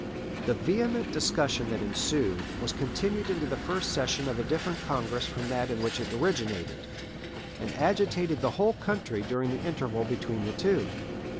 The vehement discussion that ensued was continued into the first session of a different Congress from that in which it originated, and agitated the whole country during the interval between the two.